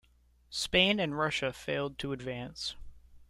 Spain and Russia failed to advance.